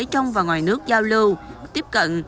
trong và ngoài nước giao lưu tiếp cận